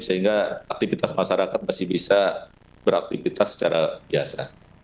sehingga aktivitas masyarakat masih bisa beraktivitas secara biasa